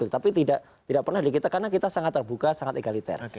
tapi tidak pernah di kita karena kita sangat terbuka sangat egaliter